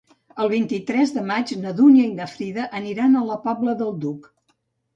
El vint-i-tres de maig na Dúnia i na Frida aniran a la Pobla del Duc.